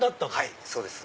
はいそうです。